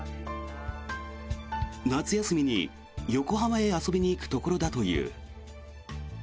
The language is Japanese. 夏休みに横浜へ遊びに行くところだという。